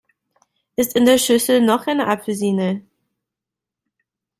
Ist in der Schüssel noch eine Apfelsine?